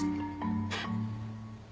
フッ。